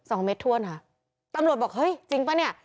สองเมตรถ้วนค่ะตำรวจบอกเฮ้ยจริงป่ะเนี่ย